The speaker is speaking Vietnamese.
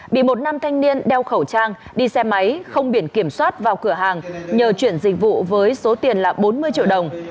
bị một nam thanh niên đeo khẩu trang đi xe máy không biển kiểm soát vào cửa hàng nhờ chuyển dịch vụ với số tiền là bốn mươi triệu đồng